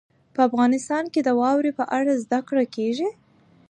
په افغانستان کې د واورې په اړه زده کړه کېږي.